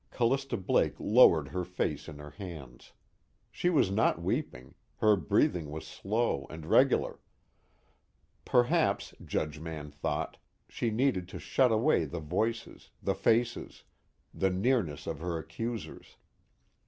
Callista Blake lowered her face in her hands. She was not weeping; her breathing was slow and regular. Perhaps, Judge Mann thought, she needed to shut away the voices, the faces, the nearness of her accusers.